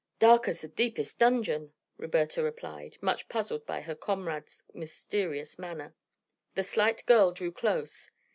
"Dark as the deepest dungeon," Roberta replied, much puzzled by her comrade's mysterious manner. The slight girl drew close.